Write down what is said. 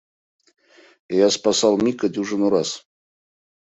Я спасал Мика дюжину раз.